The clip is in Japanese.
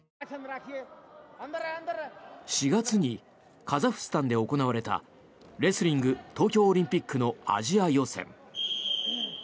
４月にカザフスタンで行われたレスリング東京オリンピックのアジア予選。